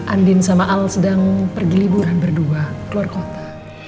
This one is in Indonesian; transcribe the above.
andin sama al sedang pergi liburan berdua keluar kota